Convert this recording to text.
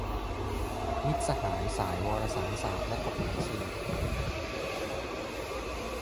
มิตรสหายสายวารสารศาสตร์และกฎหมายสื่อ